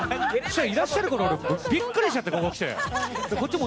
いらっしゃるからびっくりしちゃって、ここに来て。